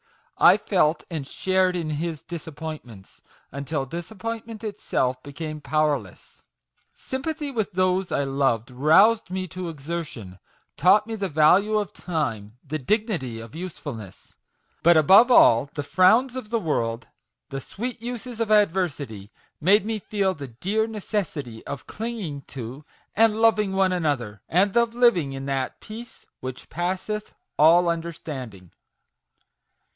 I felt and shared in his disappointments, until disap pointment itself became powerless ! Sympathy with those I loved roused me to exertion taught me the value of time the dignity of usefulness ! But, above all, the frowns of the world, the sweet uses of adversity, made me feel the dear necessity of clinging to and loving one another, and of living in that ' peace which passeth all understanding